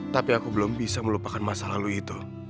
tapi aku belum bisa melupakan masa lalu itu